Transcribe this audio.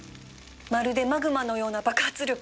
まるでマグマのような爆発力